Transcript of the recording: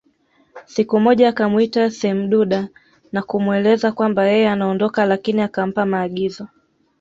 Siku moja akamwita semduda na kumweleza kwamba yeye anaondoka lakini akampa maagizo